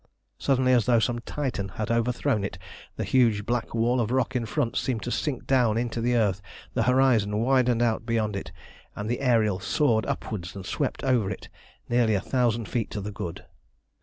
Suddenly, as though some Titan had overthrown it, the huge black wall of rock in front seemed to sink down into the earth, the horizon widened out beyond it, and the Ariel soared upwards and swept over it nearly a thousand feet to the good.